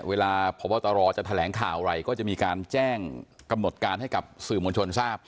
พบตรจะแถลงข่าวอะไรก็จะมีการแจ้งกำหนดการให้กับสื่อมวลชนทราบ